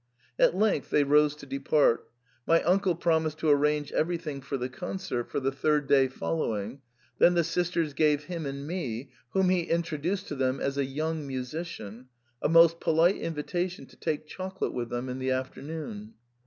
At length they rose to depart ; my uncle promised to ar range everything for the concert for the third day fol lowing ; then the sisters gave him and me, whom he introduced to them as a young musician, a most polite invitation to take chocolate with them in the afternoon.